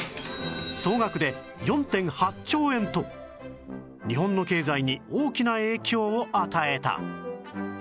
総額で ４．８ 兆円と日本の経済に大きな影響を与えた